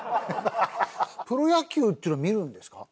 プロ野球っていうのは見るんですか？